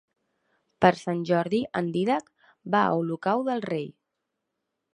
Per Sant Jordi en Dídac va a Olocau del Rei.